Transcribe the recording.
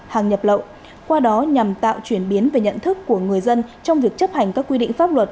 hàng nhập lậu qua đó nhằm tạo chuyển biến về nhận thức của người dân trong việc chấp hành các quy định pháp luật